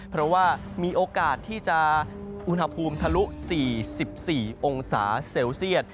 เพราะว่ามีโอกาสที่จะอุณหภูมิทะลุ๔๔องศาเซลเซียต